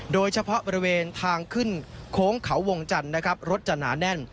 โดยเฉพาะบริเวณทางขึ้นโค้งเขาวงจันทร์นะครับรถจะหนาแน่น